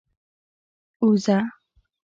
اوزه؟